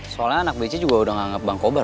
soalnya anak bc juga udah gak anggap bangkobar